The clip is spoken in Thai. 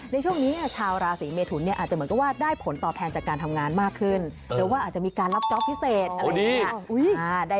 ในช่วงนี้ชาวราศีเมทุนเนี่ยอาจจะเหมือนกับว่าได้ผลตอบแทนจากการทำงานมากขึ้นหรือว่าอาจจะมีการรับจ๊อปพิเศษอะไรอย่างนี้